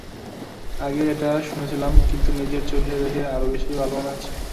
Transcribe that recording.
আগেই এটা শুনেছিলাম, কিন্তু নিজের চোখে দেখে আরও বেশি ভালো মনে হচ্ছে।